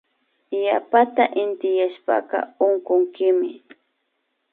Yapata intiyashpaka unkunkimi